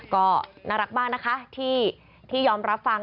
ก็น่ารักมากนะคะที่ยอมรับฟัง